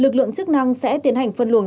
lực lượng chức năng sẽ tiến hành phân luồng